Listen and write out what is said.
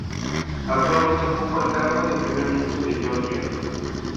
Actualmente ocupa el cargo de Primer Ministro de Georgia.